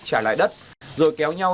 trả lại đất rồi kéo nhau